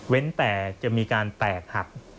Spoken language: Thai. แต่จะมีการแตกหัก